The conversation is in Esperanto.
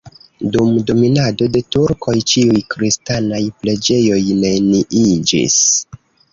Dum dominado de turkoj ĉiuj kristanaj preĝejoj neniiĝis.